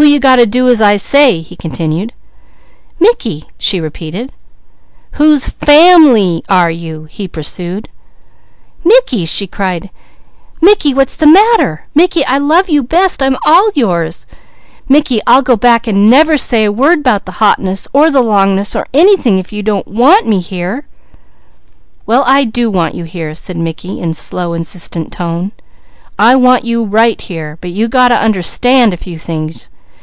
"Who you got to do as I say?" he continued. "Mickey," she repeated. "Whose family are you?" he pursued. "Mickey's!" she cried. "Mickey, what's the matter? Mickey, I love you best. I'm all yours. Mickey, I'll go back an' never say a word 'bout the hotness, or the longness, or anything, if you don't want me here." "Well I do want you here," said Mickey in slow insistent tone. "I want you right here! But you got to understand a few things.